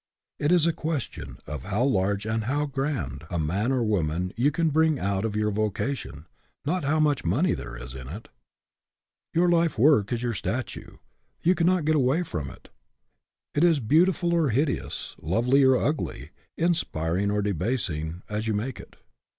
It is a question of how large and how grand a man 88 SPIRIT IN WHICH YOU WORK or woman you can bring out of your voca tion, not how much money there is in it. Your life work is your statue. You cannot get away from it. It is beautiful or hideous, lovely or ugly, inspiring or debasing, as you make it.